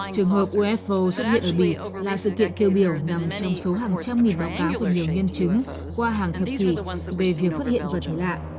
trường hợp ufo xuất hiện ở mỹ là sự kiện kêu biểu nằm trong số hàng trăm nghìn báo cáo của nhiều nhân chứng qua hàng thập kỷ bởi việc phát hiện vật thể lạ